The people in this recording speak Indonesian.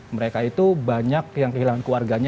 mereka itu banyak yang kehilangan keluarganya